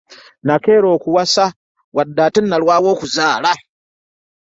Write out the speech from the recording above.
Nakeera okuwasa wadde ate nalwawo okuzaala.